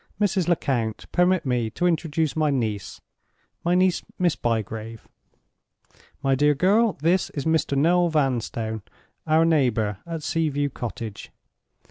Mrs. Lecount, permit me to introduce my niece—my niece, Miss Bygrave. My dear girl, this is Mr. Noel Vanstone, our neighbor at Sea view Cottage.